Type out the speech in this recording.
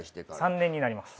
３年になります。